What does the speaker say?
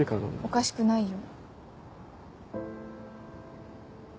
おかしくないよ。